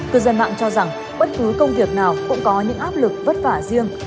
cư dân mạng cho rằng bất cứ công việc nào cũng có những áp lực vất vả riêng